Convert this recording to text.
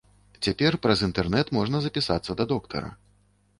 Цяпер праз інтэрнэт можна запісацца да доктара.